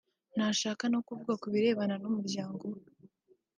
ntashaka no kuvuga ku birebana n’umuryango we